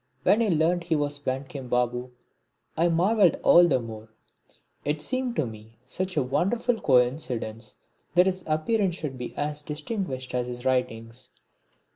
When I learnt he was Bankim Babu I marvelled all the more, it seemed to me such a wonderful coincidence that his appearance should be as distinguished as his writings.